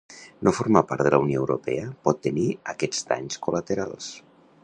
No formar part de la Unió Europea pot tenir aquests danys col·laterals.